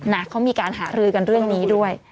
เขามีการหารือกันเรื่องนี้ด้วย